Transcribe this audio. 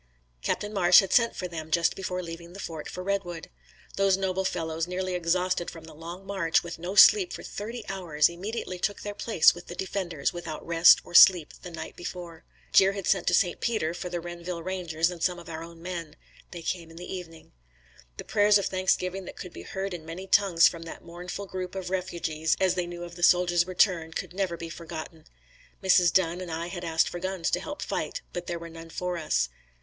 Captain Marsh had sent for them just before leaving the fort for Redwood. Those noble fellows, nearly exhausted from the long march, with no sleep for thirty hours, immediately took their places with the defenders, without rest or sleep the night before. Gere had sent to St. Peter for the Renville Rangers and some of our own men. They came in the evening. The prayers of thanksgiving that could be heard in many tongues from that mournful group of refugees, as they knew of the soldiers return, could never be forgotten. Mrs. Dunn and I had asked for guns to help fight, but there were none for us.